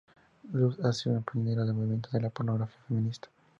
Lust ha sido una pionera en el movimiento de la pornografía feminista.